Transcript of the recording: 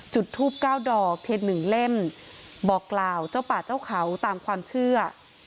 จุดทูบ๙ดอกเทียน๑เล่มบอกกล่าวเจ้าป่าเจ้าเขาตามความเชื่อ